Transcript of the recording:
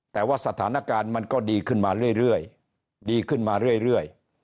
แต่ว่าสถานการณ์มันก็ดีขึ้นมาเรื่อยดีขึ้นมาเรื่อย